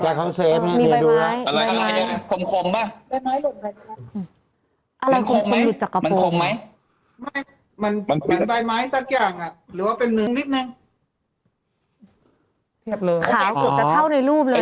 ขาวกลุ่มจะเท่าในรูปเลยค่ะ